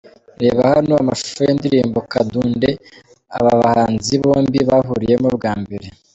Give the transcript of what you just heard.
Reba hano amashusho y'indirimbo 'Kadunde', aba habanzi bombi bahuriyemo bwa mbere.